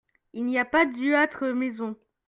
Il n'y a pas d'uatre maison.